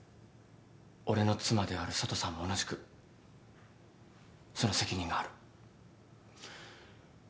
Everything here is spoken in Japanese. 俺の妻である佐都さんも同じくその責任がある。